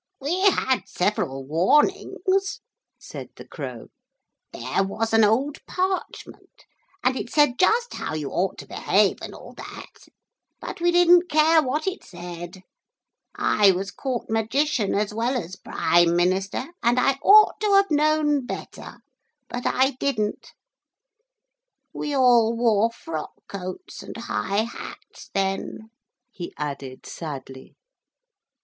'We had several warnings,' said the Crow. 'There was an old parchment, and it said just how you ought to behave and all that. But we didn't care what it said. I was Court Magician as well as Prime Minister, and I ought to have known better, but I didn't. We all wore frock coats and high hats then,' he added sadly.